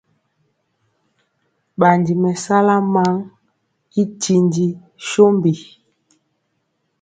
Ɓandi mɛsala maŋ i tindi sombi.